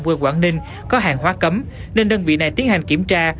quê quảng ninh có hàng hóa cấm nên đơn vị này tiến hành kiểm tra